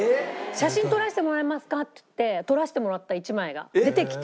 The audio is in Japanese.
「写真撮らせてもらえますか？」って言って撮らせてもらった１枚が出てきて。